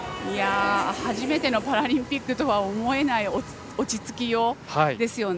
初めてのパラリンピックと思えない落ち着きようですね。